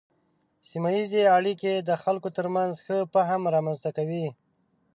سیمه ایزې اړیکې د خلکو ترمنځ ښه فهم رامنځته کوي.